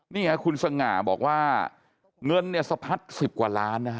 นี่คุณสง่าบอกว่าเงินสะพัด๑๐กว่าล้าน